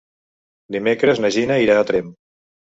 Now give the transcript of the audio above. Dimecres na Gina irà a Tremp.